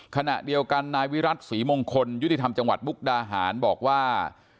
ขณะเดียวกันนายวิรัติศรีมงคลยุติธรรมจังหวัดมุกดาหารบอกว่า